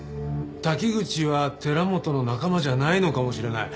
滝口は寺本の仲間じゃないのかもしれない。